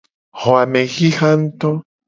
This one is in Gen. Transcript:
Xo a me xixa nguto.